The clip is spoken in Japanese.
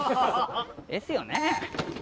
ですよね。